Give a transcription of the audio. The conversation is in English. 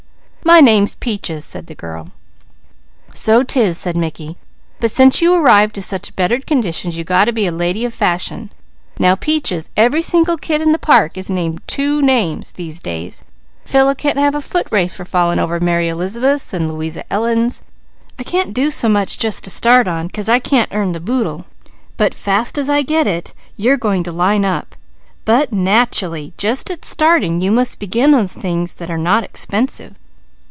"My name's Peaches!" said the child. "So 'tis!" said Mickey. "But since you arrived to such bettered conditions, you got to be a lady of fashion. Now Peaches, every single kid in the Park is named two names, these days. Fellow can't have a foot race for falling over Mary Elizabeths, and Louisa Ellens. I can't do so much just to start on, 'cause I can't earn the boodle; fast as I get it, you're going to line up; but nachally, just at starting you must begin on the things that are not expensive.